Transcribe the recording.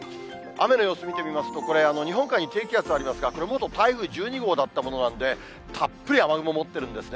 雨の様子見てみますと、これ、日本海に低気圧ありますが、これ元台風１２号だったものなんで、たっぷり雨雲持ってるんですね。